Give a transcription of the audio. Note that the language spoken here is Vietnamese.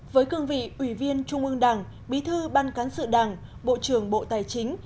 với cương vị ủy viên trung ương đảng bí thư ban cán sự đảng bộ trưởng bộ tài chính